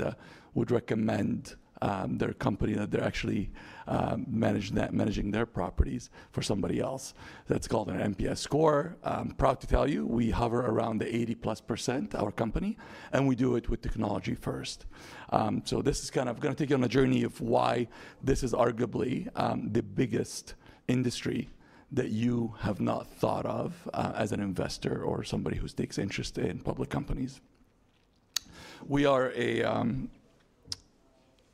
Canada would recommend their company that they're actually managing their properties for somebody else. That's called an NPS score. Proud to tell you, we hover around the 80%+, our company, and we do it with technology first. So this is kind of going to take you on a journey of why this is arguably the biggest industry that you have not thought of as an investor or somebody who takes interest in public companies. We are a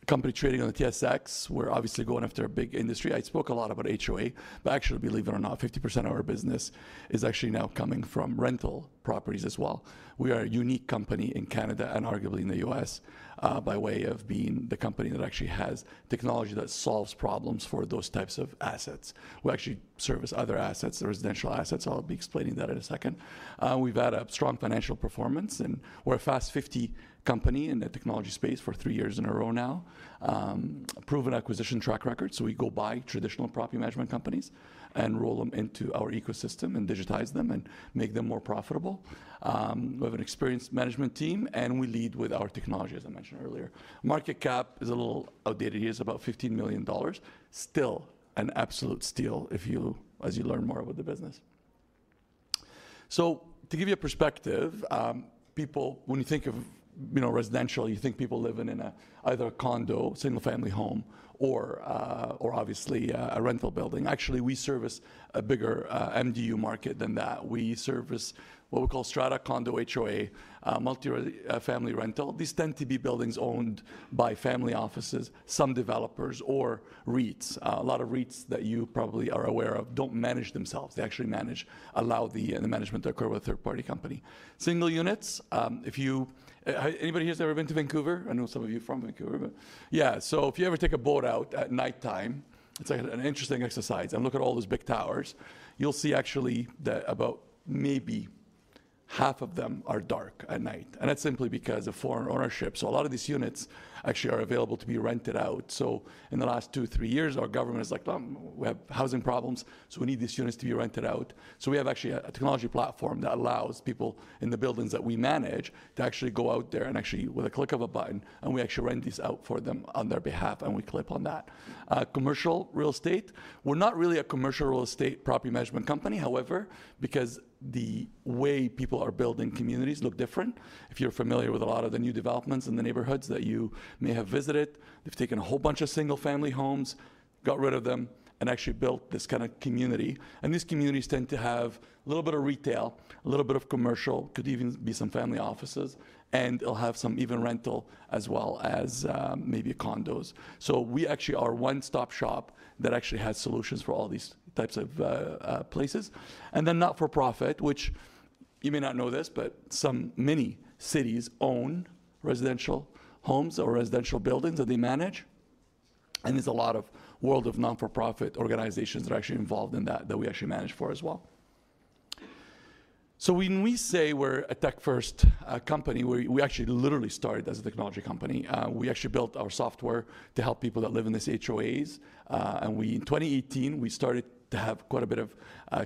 company trading on the TSX. We're obviously going after a big industry. I spoke a lot about HOA, but actually, believe it or not, 50% of our business is actually now coming from rental properties as well. We are a unique company in Canada and arguably in the U.S. by way of being the company that actually has technology that solves problems for those types of assets. We actually service other assets, residential assets. I'll be explaining that in a second. We've had a strong financial performance, and we're a Fast 50 company in the technology space for three years in a row now. Proven acquisition track record. So we go buy traditional property management companies and roll them into our ecosystem and digitize them and make them more profitable. We have an experienced management team, and we lead with our technology, as I mentioned earlier. Market cap is a little outdated here. It's about 15 million dollars. Still an absolute steal as you learn more about the business. So to give you a perspective, when you think of residential, you think people live in either a condo, single-family home, or obviously a rental building. Actually, we service a bigger MDU market than that. We service what we call Strata Condo HOA, multi-family rental. These tend to be buildings owned by family offices, some developers, or REITs. A lot of REITs that you probably are aware of don't manage themselves. They actually allow the management to occur with a third-party company. Single units, if you, anybody here's ever been to Vancouver? I know some of you are from Vancouver, but yeah, so if you ever take a boat out at nighttime, it's like an interesting exercise, and look at all those big towers. You'll see actually that about maybe half of them are dark at night. And that's simply because of foreign ownership, so a lot of these units actually are available to be rented out. So in the last two, three years, our government is like, "We have housing problems, so we need these units to be rented out." So we have actually a technology platform that allows people in the buildings that we manage to actually go out there and actually with a click of a button, and we actually rent these out for them on their behalf, and we clip on that. Commercial real estate, we're not really a commercial real estate property management company, however, because the way people are building communities looks different. If you're familiar with a lot of the new developments in the neighborhoods that you may have visited, they've taken a whole bunch of single-family homes, got rid of them, and actually built this kind of community. And these communities tend to have a little bit of retail, a little bit of commercial, could even be some family offices, and they'll have some even rental as well as maybe condos. So we actually are a one-stop shop that actually has solutions for all these types of places. And then not-for-profit, which you may not know this, but so many cities own residential homes or residential buildings that they manage. And there's a whole world of not-for-profit organizations that are actually involved in that that we actually manage for as well. So when we say we're a tech-first company, we actually literally started as a technology company. We actually built our software to help people that live in these HOAs. And in 2018, we started to have quite a bit of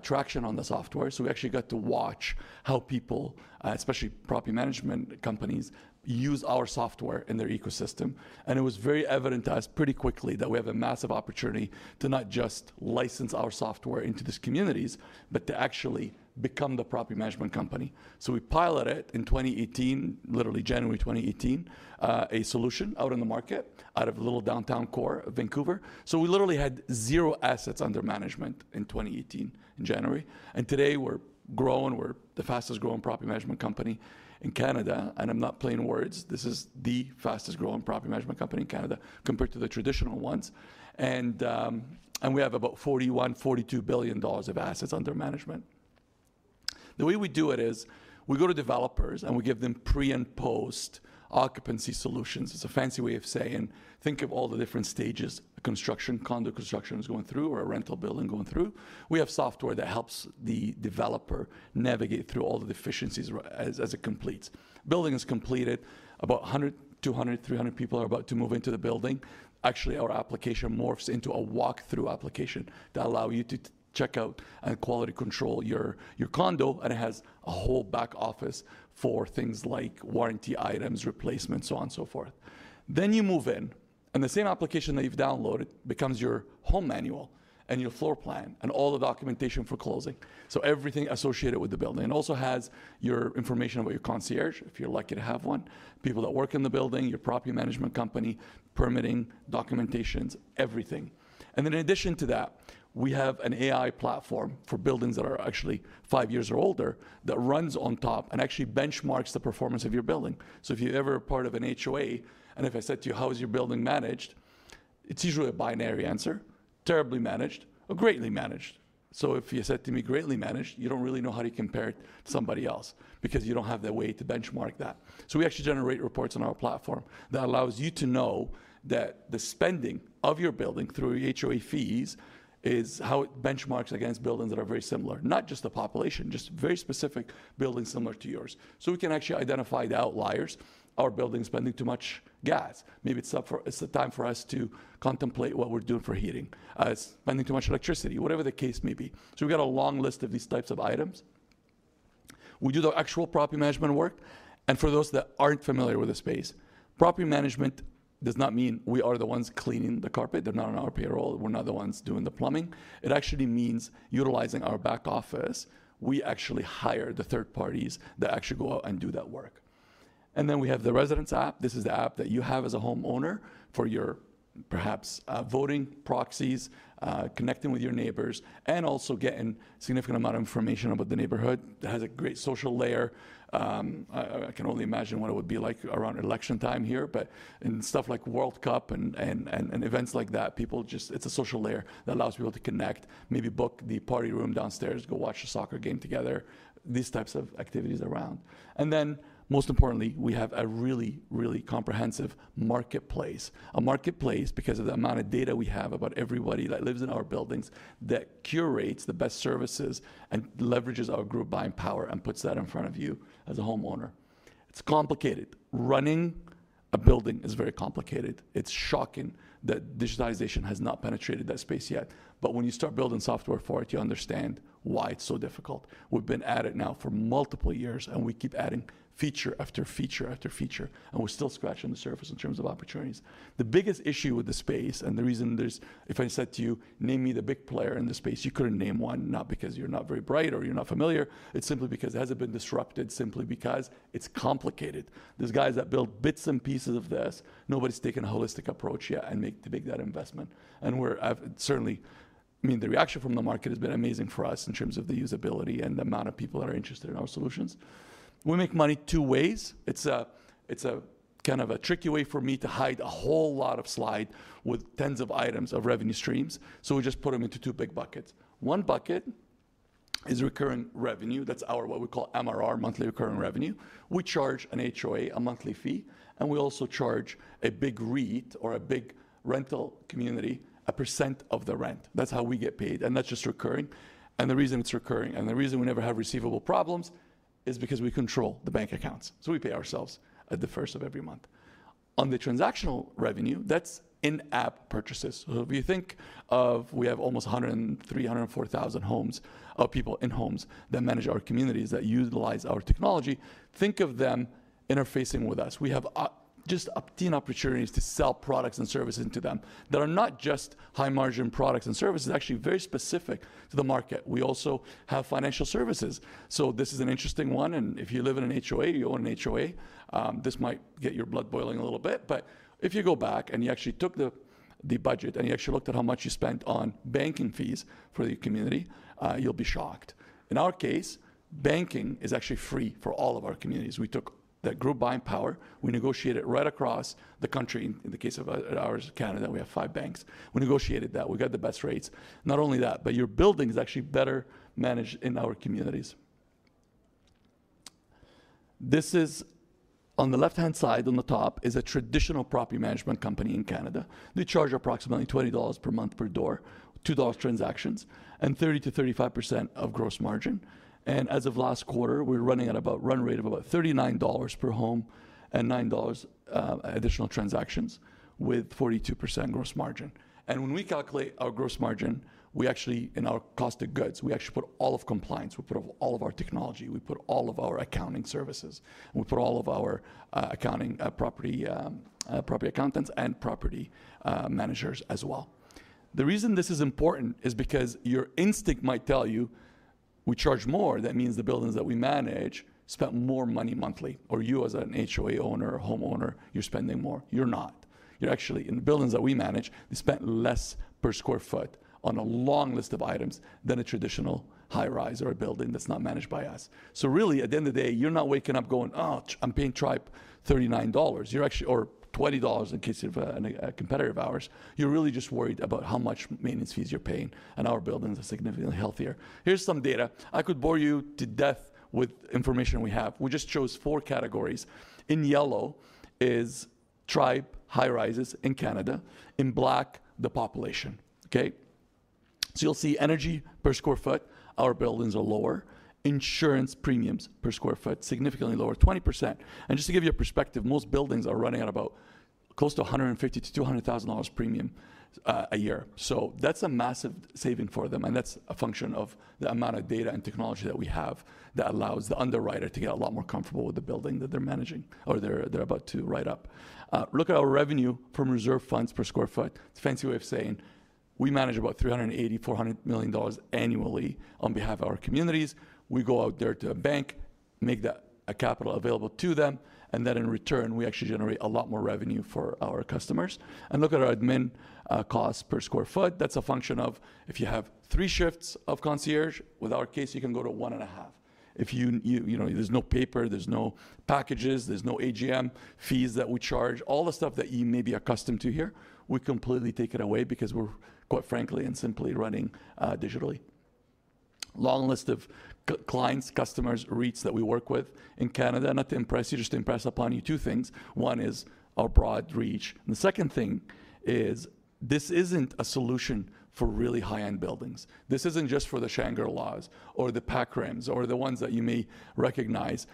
traction on the software. So we actually got to watch how people, especially property management companies, use our software in their ecosystem. And it was very evident to us pretty quickly that we have a massive opportunity to not just license our software into these communities, but to actually become the property management company. So we piloted in 2018, literally January 2018, a solution out in the market out of a little downtown core of Vancouver. So we literally had zero assets under management in 2018 in January. And today we're grown. We're the fastest-growing property management company in Canada. And I'm not playing words. This is the fastest-growing property management company in Canada compared to the traditional ones. And we have about 41 billion-42 billion dollars of assets under management. The way we do it is we go to developers and we give them pre- and post-occupancy solutions. It's a fancy way of saying, think of all the different stages a construction, condo construction is going through, or a rental building going through. We have software that helps the developer navigate through all the deficiencies as it completes. Building is completed. About 100, 200, 300 people are about to move into the building. Actually, our application morphs into a walkthrough application to allow you to check out and quality control your condo. It has a whole back office for things like warranty items, replacements, so on and so forth, then you move in, and the same application that you've downloaded becomes your home manual and your floor plan and all the documentation for closing, so everything associated with the building. It also has your information about your concierge, if you're lucky to have one, people that work in the building, your property management company, permitting, documentations, everything. And then in addition to that, we have an AI platform for buildings that are actually five years or older that runs on top and actually benchmarks the performance of your building. So if you're ever part of an HOA, and if I said to you, "How is your building managed?" it's usually a binary answer, terribly managed or greatly managed. So if you said to me, "Greatly managed," you don't really know how to compare it to somebody else because you don't have the way to benchmark that. So we actually generate reports on our platform that allows you to know that the spending of your building through HOA fees is how it benchmarks against buildings that are very similar, not just the population, just very specific buildings similar to yours. So we can actually identify the outliers. Our building is spending too much gas. Maybe it's time for us to contemplate what we're doing for heating. It's spending too much electricity, whatever the case may be. So we've got a long list of these types of items. We do the actual property management work. And for those that aren't familiar with the space, property management does not mean we are the ones cleaning the carpet. They're not on our payroll. We're not the ones doing the plumbing. It actually means utilizing our back office. We actually hire the third parties that actually go out and do that work. And then we have the residents' app. This is the app that you have as a homeowner for your perhaps voting, proxies, connecting with your neighbors, and also getting a significant amount of information about the neighborhood. It has a great social layer. I can only imagine what it would be like around election time here. But in stuff like World Cup and events like that, it's a social layer that allows people to connect, maybe book the party room downstairs, go watch a soccer game together, these types of activities around. And then most importantly, we have a really, really comprehensive marketplace. A marketplace because of the amount of data we have about everybody that lives in our buildings that curates the best services and leverages our group buying power and puts that in front of you as a homeowner. It's complicated. Running a building is very complicated. It's shocking that digitization has not penetrated that space yet. But when you start building software for it, you understand why it's so difficult. We've been at it now for multiple years, and we keep adding feature after feature after feature. And we're still scratching the surface in terms of opportunities. The biggest issue with the space and the reason there's, if I said to you, "Name me the big player in this space," you couldn't name one, not because you're not very bright or you're not familiar. It's simply because it hasn't been disrupted, simply because it's complicated. There's guys that build bits and pieces of this. Nobody's taken a holistic approach yet and made that investment. And certainly, I mean, the reaction from the market has been amazing for us in terms of the usability and the amount of people that are interested in our solutions. We make money two ways. It's a kind of a tricky way for me to hide a whole lot of slides with tens of items of revenue streams. So we just put them into two big buckets. One bucket is recurring revenue. That's our what we call MRR, monthly recurring revenue. We charge an HOA a monthly fee, and we also charge a big REIT or a big rental community a percent of the rent. That's how we get paid, and that's just recurring, and the reason it's recurring and the reason we never have receivable problems is because we control the bank accounts, so we pay ourselves at the first of every month. On the transactional revenue, that's in-app purchases, so if you think of we have almost 103,000-104,000 people in homes that manage our communities that utilize our technology, think of them interfacing with us. We have just obtained opportunities to sell products and services to them that are not just high-margin products and services. It's actually very specific to the market. We also have financial services, so this is an interesting one. If you live in an HOA, you own an HOA, this might get your blood boiling a little bit. If you go back and you actually took the budget and you actually looked at how much you spent on banking fees for the community, you'll be shocked. In our case, banking is actually free for all of our communities. We took that group buying power. We negotiated right across the country. In the case of ours, Canada, we have five banks. We negotiated that. We got the best rates. Not only that, but your building is actually better managed in our communities. This is, on the left-hand side on the top, a traditional property management company in Canada. They charge approximately 20 dollars per month per door, 2 dollars transactions, and 30%-35% of gross margin. As of last quarter, we're running at about a run rate of about 39 dollars per home and 9 dollars additional transactions with 42% gross margin. When we calculate our gross margin, we actually in our cost of goods, we actually put all of compliance. We put all of our technology. We put all of our accounting services. We put all of our accounting property accountants and property managers as well. The reason this is important is because your instinct might tell you, "We charge more." That means the buildings that we manage spent more money monthly. Or you as an HOA owner or homeowner, you're spending more. You're not. In the buildings that we manage, they spent less per square foot on a long list of items than a traditional high rise or a building that's not managed by us. So really, at the end of the day, you're not waking up going, "Oh, I'm paying Tribe 39 dollars," or 20 dollars in case you have a competitor of ours. You're really just worried about how much maintenance fees you're paying. And our buildings are significantly healthier. Here's some data. I could bore you to death with information we have. We just chose four categories. In yellow is Tribe, high rises in Canada. In black, the population. Okay? So you'll see energy per sq ft, our buildings are lower. Insurance premiums per sq ft, significantly lower, 20%. And just to give you a perspective, most buildings are running at about close to 150,000-200,000 dollars premium a year. So that's a massive saving for them. And that's a function of the amount of data and technology that we have that allows the underwriter to get a lot more comfortable with the building that they're managing or they're about to write up. Look at our revenue from reserve funds per square foot. It's a fancy way of saying we manage about 380,000-400 million dollars annually on behalf of our communities. We go out there to a bank, make that capital available to them. And then in return, we actually generate a lot more revenue for our customers. And look at our admin costs per square foot. That's a function of if you have three shifts of concierge. With our case, you can go to one and a half. If there's no paper, there's no packages, there's no AGM fees that we charge, all the stuff that you may be accustomed to here, we completely take it away because we're quite frankly and simply running digitally. Long list of clients, customers, REITs that we work with in Canada. Not to impress you, just to impress upon you two things. One is our broad reach. And the second thing is this isn't a solution for really high-end buildings. This isn't just for the Shangri-Las or the PacRims or the ones that you may recognize.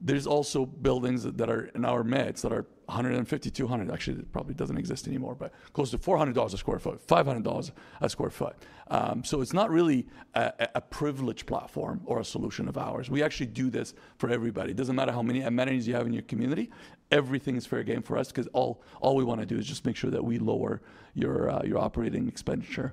There's also buildings that are in our mids that are 150,000-200,000. Actually, it probably doesn't exist anymore, but close to 400 dollars a sq ft, 500 dollars a sq ft. So it's not really a privileged platform or a solution of ours. We actually do this for everybody. It doesn't matter how many amenities you have in your community. Everything is fair game for us because all we want to do is just make sure that we lower your operating expenditure.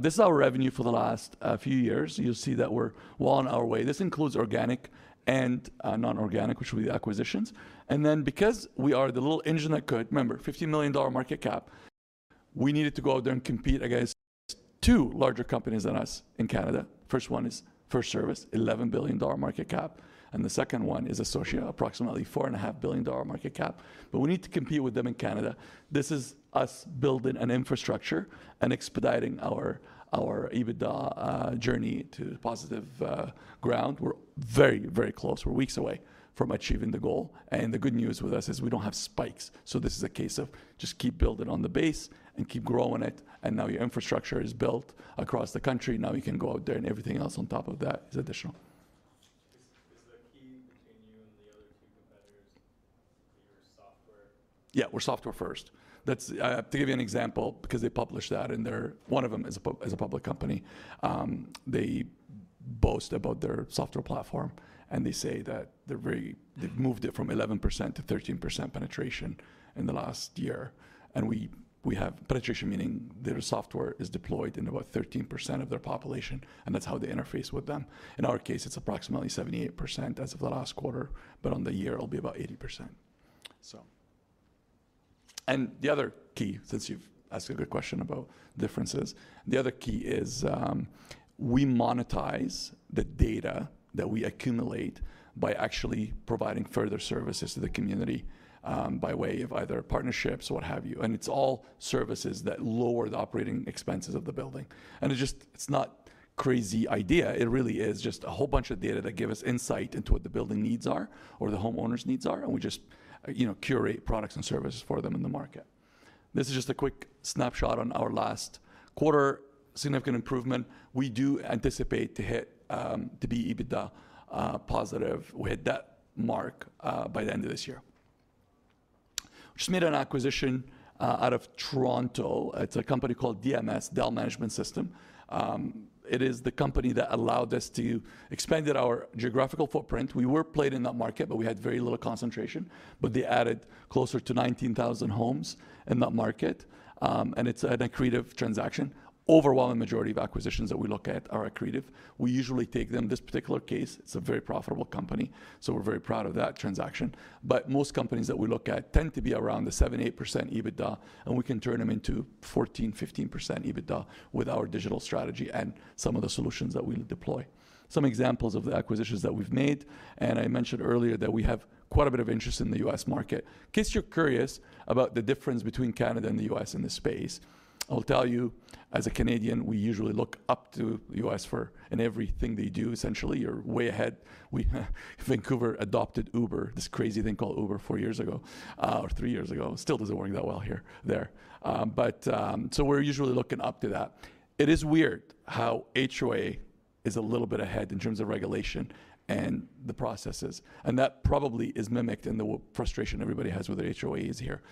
This is our revenue for the last few years. You'll see that we're well on our way. This includes organic and non-organic, which will be the acquisitions. And then because we are the little engine that could, remember, 15 million dollar market cap, we needed to go out there and compete against two larger companies than us in Canada. First one is FirstService, 11 billion dollar market cap. And the second one is Associa, approximately $4.5 billion market cap. But we need to compete with them in Canada. This is us building an infrastructure and expediting our EBITDA journey to positive ground. We're very, very close. We're weeks away from achieving the goal. The good news with us is we don't have spikes. This is a case of just keep building on the base and keep growing it. Now your infrastructure is built across the country. Now you can go out there and everything else on top of that is additional. Is the key between you and the other two competitors your software? Yeah, we're software first. To give you an example, because they published that and one of them is a public company, they boast about their software platform. And they say that they've moved it from 11%-13% penetration in the last year. And we have penetration, meaning their software is deployed in about 13% of their population. And that's how they interface with them. In our case, it's approximately 78% as of the last quarter. But on the year, it'll be about 80%. And the other key, since you've asked a good question about differences, the other key is we monetize the data that we accumulate by actually providing further services to the community by way of either partnerships or what have you. And it's all services that lower the operating expenses of the building. And it's not a crazy idea. It really is just a whole bunch of data that gives us insight into what the building needs are or the homeowners' needs are. And we just curate products and services for them in the market. This is just a quick snapshot on our last quarter significant improvement. We do anticipate to be EBITDA positive. We hit that mark by the end of this year. We just made an acquisition out of Toronto. It's a company called DMS Property Management. It is the company that allowed us to expand our geographical footprint. We were players in that market, but we had very little concentration, but they added closer to 19,000 homes in that market, and it's an accretive transaction. Overwhelming majority of acquisitions that we look at are accretive. We usually take them in this particular case. It's a very profitable company, so we're very proud of that transaction, but most companies that we look at tend to be around the 7%-8% EBITDA, and we can turn them into 14%-15% EBITDA with our digital strategy and some of the solutions that we deploy. Some examples of the acquisitions that we've made, and I mentioned earlier that we have quite a bit of interest in the U.S. market. In case you're curious about the difference between Canada and the U.S. In this space, I'll tell you, as a Canadian, we usually look up to the U.S. for everything they do, essentially. You're way ahead. Vancouver adopted Uber, this crazy thing called Uber four years ago or three years ago. Still doesn't work that well here. But so we're usually looking up to that. It is weird how HOA is a little bit ahead in terms of regulation and the processes. And that probably is mimicked in the frustration everybody has with their HOAs here.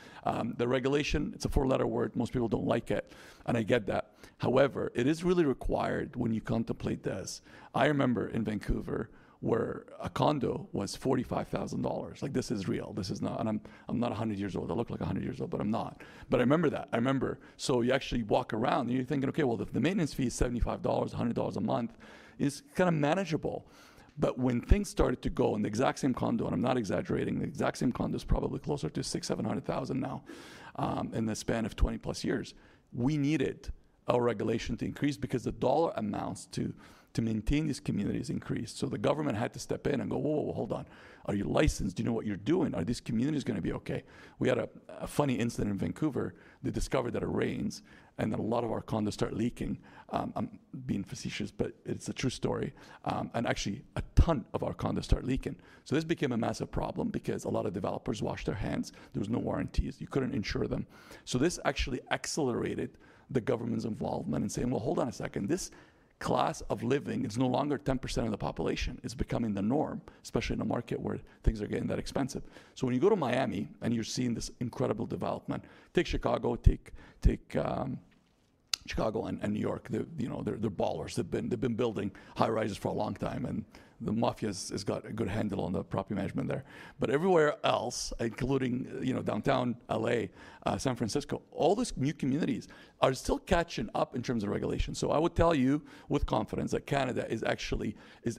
The regulation, it's a four-letter word. Most people don't like it. And I get that. However, it is really required when you contemplate this. I remember in Vancouver where a condo was 45,000 dollars. Like, this is real. And I'm not 100 years old. I look like I'm 100 years old, but I'm not. But I remember that. I remember. You actually walk around and you're thinking, "Okay, well, if the maintenance fee is 75-100 dollars a month, it's kind of manageable." But when things started to go in the exact same condo, and I'm not exaggerating, the exact same condo is probably closer to 600,000-700,000 now in the span of 20-plus years. We needed our regulation to increase because the dollar amounts to maintain these communities increased. So the government had to step in and go, "Whoa, whoa, whoa, hold on. Are you licensed? Do you know what you're doing? Are these communities going to be okay?" We had a funny incident in Vancouver. They discovered that it rains and that a lot of our condos start leaking. I'm being facetious, but it's a true story. And actually, a ton of our condos start leaking. So this became a massive problem because a lot of developers washed their hands. There were no warranties. You couldn't insure them. So this actually accelerated the government's involvement in saying, "Well, hold on a second. This class of living, it's no longer 10% of the population. It's becoming the norm, especially in a market where things are getting that expensive." So when you go to Miami and you're seeing this incredible development, take Chicago, take Chicago and New York. They're ballers. They've been building high rises for a long time. And the mafia has got a good handle on the property management there. But everywhere else, including downtown LA, San Francisco, all these new communities are still catching up in terms of regulation. So I would tell you with confidence that Canada is actually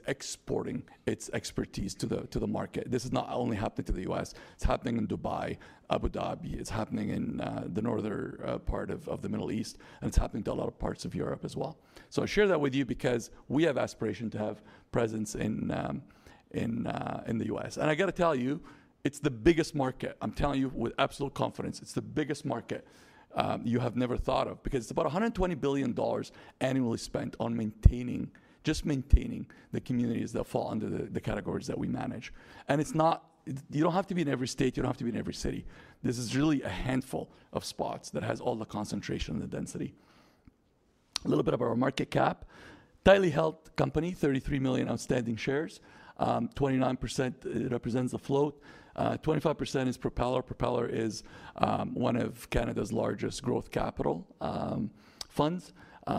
exporting its expertise to the market. This is not only happening to the U.S. It's happening in Dubai, Abu Dhabi. It's happening in the northern part of the Middle East. And it's happening to a lot of parts of Europe as well. So I share that with you because we have aspiration to have presence in the U.S. And I got to tell you, it's the biggest market. I'm telling you with absolute confidence. It's the biggest market you have never thought of because it's about $120 billion annually spent on just maintaining the communities that fall under the categories that we manage. And you don't have to be in every state. You don't have to be in every city. This is really a handful of spots that has all the concentration and the density. A little bit about our market cap. Tightly held company, 33 million outstanding shares. 29% represents the float. 25% is PROPELR. PROPELR is one of Canada's largest growth capital funds.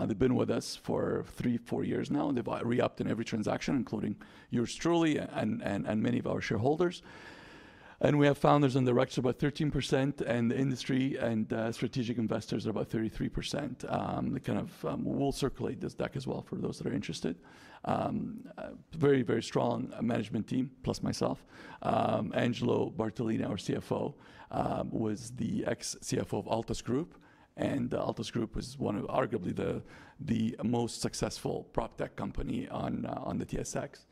They've been with us for three, four years now. They've re-upped in every transaction, including yours truly, and many of our shareholders. And we have founders and directors about 13%. And the industry and strategic investors are about 33%. We'll circulate this deck as well for those that are interested. Very, very strong management team, plus myself. Angelo Bartolini, our CFO, was the ex-CFO of Altus Group. And Altus Group was arguably the most successful prop tech company on the TSX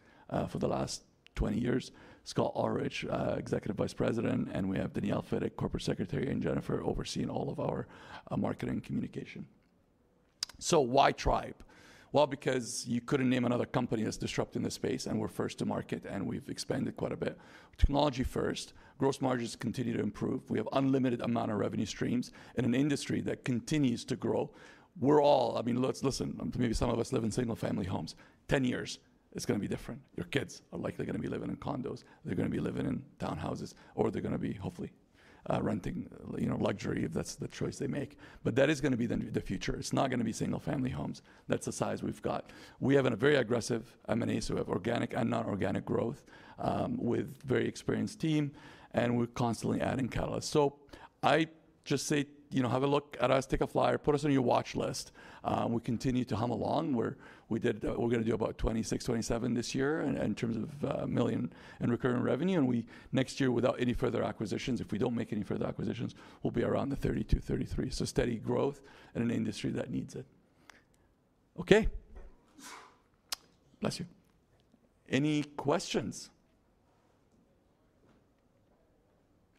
for the last 20 years. Scott Ullrich, Executive Vice-President. And we have Danielle Riddick, Corporate Secretary, and Jennifer overseeing all of our marketing communication. Why Tribe? Well, because you couldn't name another company that's disrupting the space and we're first to market and we've expanded quite a bit. Technology first. Gross margins continue to improve. We have unlimited amount of revenue streams in an industry that continues to grow. I mean, listen, maybe some of us live in single-family homes. 10 years, it's going to be different. Your kids are likely going to be living in condos. They're going to be living in townhouses, or they're going to be hopefully renting luxury if that's the choice they make, but that is going to be the future. It's not going to be single-family homes. That's the size we've got. We have a very aggressive M&As who have organic and non-organic growth with a very experienced team, and we're constantly adding catalysts, so I just say, have a look at us, take a flyer, put us on your watch list. We continue to hum along. We're going to do about 26-27 million this year in recurring revenue. Next year, without any further acquisitions, if we don't make any further acquisitions, we'll be around the 32, 33. So steady growth in an industry that needs it. Okay. Bless you. Any questions?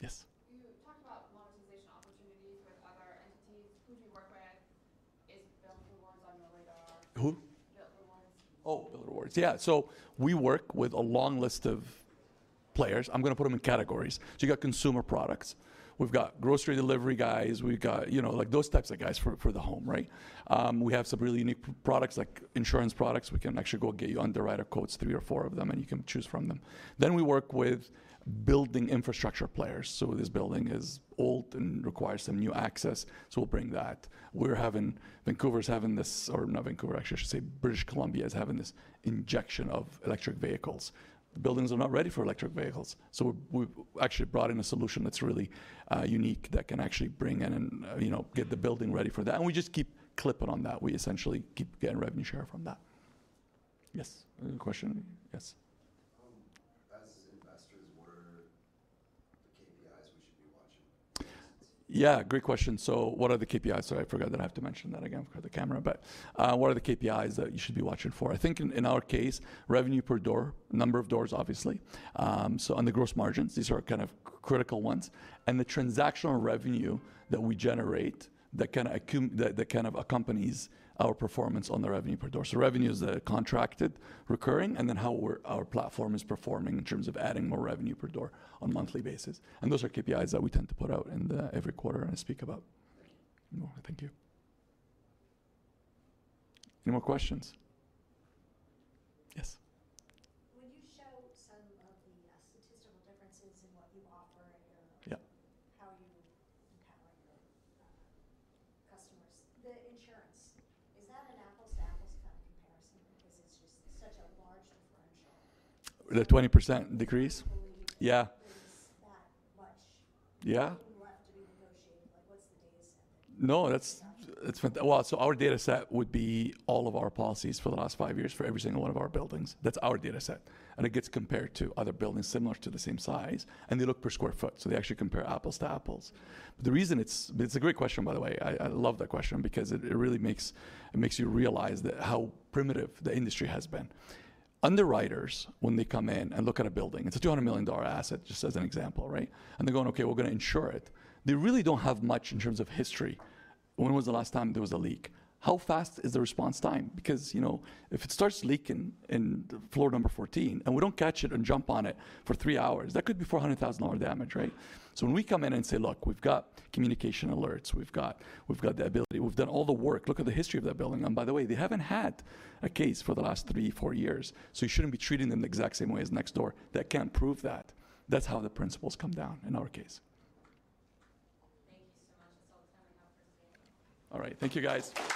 Yes. You talked about monetization opportunities with other entities. Who do you work with? Is Bilt Rewards on your radar? Who? Bilt Rewards. Oh, Bilt Rewards. Yeah. So we work with a long list of players. I'm going to put them in categories. So you got consumer products. We've got grocery delivery guys. We've got those types of guys for the home, right? We have some really unique products, like insurance products. We can actually go get you underwriter quotes, three or four of them, and you can choose from them. Then we work with building infrastructure players. So this building is old and requires some new access. So we'll bring that. Vancouver is having this, or not Vancouver. Actually, I should say British Columbia is having this injection of electric vehicles. Buildings are not ready for electric vehicles. So we actually brought in a solution that's really unique that can actually bring in and get the building ready for that. And we just keep clipping on that. We essentially keep getting revenue share from that. Yes. Any question? Yes. As investors, what are the KPIs we should be watching? Yeah, great question. So what are the KPIs? Sorry, I forgot that I have to mention that again for the camera. But what are the KPIs that you should be watching for? I think in our case, revenue per door, number of doors, obviously. So, on the gross margins, these are kind of critical ones. And the transactional revenue that we generate that kind of accompanies our performance on the revenue per door. So revenue is the contracted, recurring, and then how our platform is performing in terms of adding more revenue per door on a monthly basis. And those are KPIs that we tend to put out every quarter and speak about. Thank you. Any more questions? Yes. Would you show some of the statistical differences in what you offer and how you empower your customers? The insurance, is that an apples-to-apples comparison because it's just such a large differential? The 20% decrease? Yeah. Is that much? Yeah. Anything left to be negotiated? What's the data set that you have? No, that's. Well, so our data set would be all of our policies for the last five years for every single one of our buildings. That's our data set. And it gets compared to other buildings similar to the same size. And they look per sq ft. So they actually compare apples to apples. But the reason it's a great question, by the way. I love that question because it really makes you realize how primitive the industry has been. Underwriters, when they come in and look at a building, it's a 200 million dollar asset, just as an example, right? And they're going, "Okay, we're going to insure it." They really don't have much in terms of history. When was the last time there was a leak? How fast is the response time? Because if it starts leaking in floor number 14 and we don't catch it and jump on it for three hours, that could be 400,000 damage, right? So when we come in and say, "Look, we've got communication alerts. We've got the ability. We've done all the work. Look at the history of that building," and by the way, they haven't had a case for the last three, four years. So you shouldn't be treating them the exact same way as next door. That can't prove that. That's how the principles come down in our case. Thank you so much. That's all the time we have for today. All right. Thank you, guys.